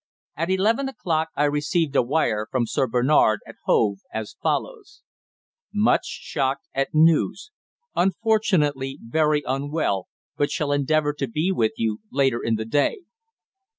At eleven o'clock I received a wire from Sir Bernard at Hove as follows: "Much shocked at news. Unfortunately very unwell, but shall endeavour to be with you later in the day."